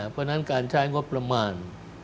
เพราะฉะนั้นการใช้งบประมาณ